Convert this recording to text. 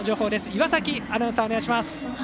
岩崎アナウンサー、お願いします。